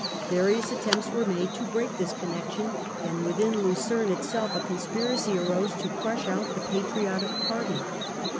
Various attempts were made to break this connection, and within Lucerne itself a conspiracy arose to crush out the patriotic party.